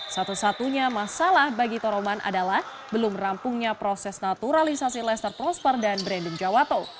satu satunya masalah bagi toroman adalah belum rampungnya proses naturalisasi lester prosper dan brandem jawato